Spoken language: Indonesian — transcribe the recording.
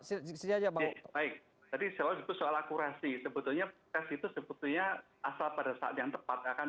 baik tadi soal akurasi sebetulnya test itu sebetulnya asal pada saat yang tepat akan